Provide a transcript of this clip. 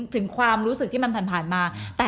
ถึงความรู้สึกที่มันผ่านมา